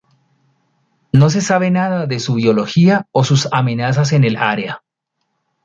No se sabe nada de su biología o sus amenazas en el área.